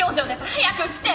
早く来て！